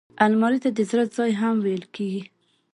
الماري ته د زړه ځای هم ویل کېږي